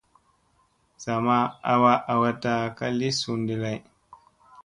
Sa ma awa awata ka li sun ɗi lay.